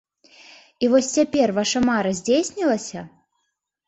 І вось цяпер ваша мара здзейснілася?